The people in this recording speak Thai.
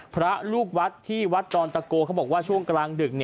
พระลูกวัดที่วัดดอนตะโกเขาบอกว่าช่วงกลางดึก